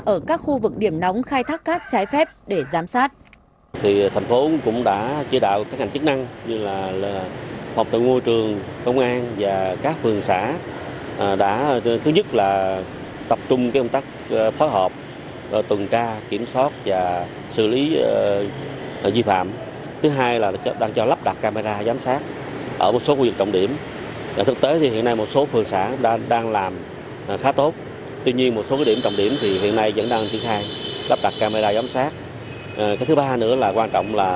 ở các khu vực điểm nóng khai thác cát trái phép để giám sát